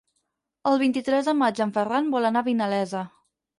El vint-i-tres de maig en Ferran vol anar a Vinalesa.